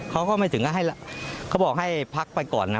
เขาก็ไม่ถึงก็ให้เขาบอกให้พักไปก่อนนะ